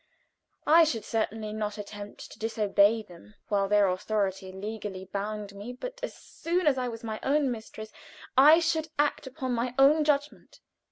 I should certainly not attempt to disobey them while their authority legally bound me, but as soon as I was my own mistress, I should act upon my own judgment.